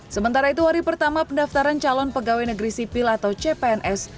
sementara itu hari pertama pendaftaran calon pegawai negeri sipil atau cpns